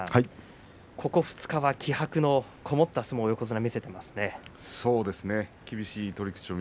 ここ２日は気迫のこもった相撲を横綱は見せていますね。